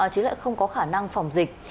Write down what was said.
chứ lại không có khả năng phòng dịch